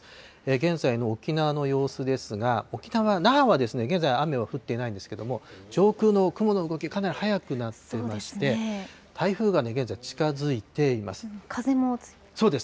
現在の沖縄の様子ですが、沖縄・那覇は現在、雨は降っていないんですけれども、上空の雲の動き、かなり速くなっていまして、台風が現在、近づいています。